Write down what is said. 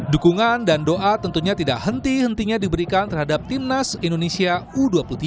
dukungan dan doa tentunya tidak henti hentinya diberikan terhadap timnas indonesia u dua puluh tiga